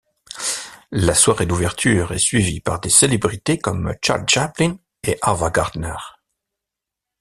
La soirée d'ouverture est suivie par des célébrités comme Charlie Chaplin et Ava Gardner.